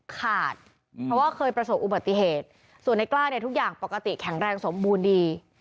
ขาดเพราะว่าเคยประสบอุบัติเหตุส่วนในกล้าเนี่ยทุกอย่างปกติแข็งแรงสมบูรณ์ดี